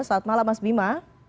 saat malam mas bima